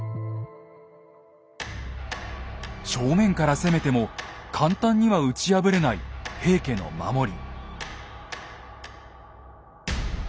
正面から攻めても簡単には打ち破れない平家の守り。